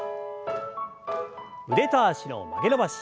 腕と脚の曲げ伸ばし。